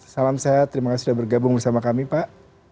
salam sehat terima kasih sudah bergabung bersama kami pak